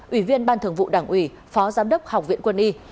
ủy viên ban thường vụ đảng ủy phó giám đốc học viện quân y